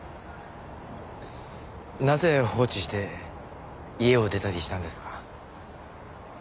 なぜ放置して家を出たりしたんですか？